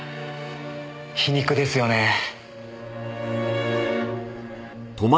皮肉ですよね。